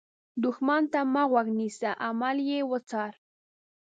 دښمن ته مه غوږ نیسه، عمل یې وڅار